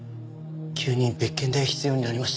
急に別件で必要になりまして。